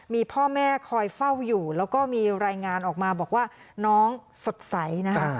มีพ่อแม่คอยเฝ้าอยู่แล้วก็มีรายงานออกมาบอกว่าน้องสดใสนะฮะ